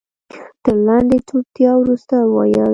تر لنډې چوپتيا وروسته يې وويل.